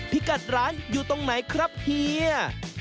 พี่กัดร้านอยู่ตรงไหนครับเฮีย